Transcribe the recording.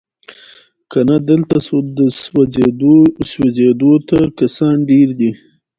کنه دلته سوځېدو ته کسان ډیر دي